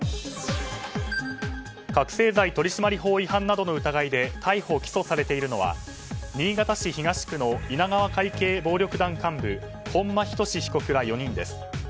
覚醒剤取締法違反などの疑いで逮捕・起訴されているのは新潟市東区の稲川会系暴力団幹部本間仁被告ら４人です。